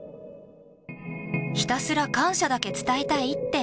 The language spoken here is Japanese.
ひたすら感謝だけ伝えたいって。